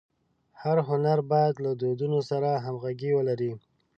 هر هنر باید له دودونو سره همږغي ولري.